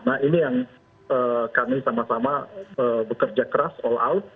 nah ini yang kami sama sama bekerja keras all out